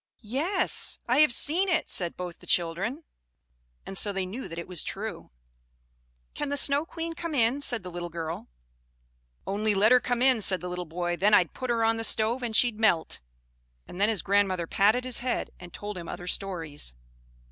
"Yes, I have seen it," said both the children; and so they knew that it was true. "Can the Snow Queen come in?" said the little girl. "Only let her come in!" said the little boy. "Then I'd put her on the stove, and she'd melt." And then his grandmother patted his head and told him other stories.